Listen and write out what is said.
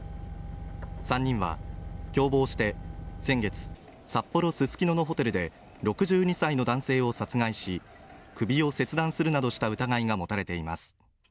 ３人は共謀して先月札幌・ススキノのホテルで６２歳の男性を殺害し首を切断するなどした疑いが持たれています